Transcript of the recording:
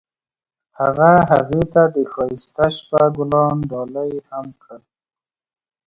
هغه هغې ته د ښایسته شپه ګلان ډالۍ هم کړل.